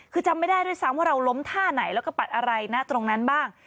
คือจำไม่ได้ด้วยซ้ำว่าเราล้มท่าไหนแล้วก็ปัดอะไรนะตรงนั้นบ้าง